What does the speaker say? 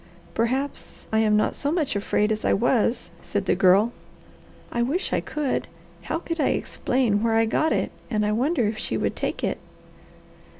"Perhaps I am not so much afraid as I was," said the Girl. "I wish I could! How could I explain where I got it and I wonder if she would take it."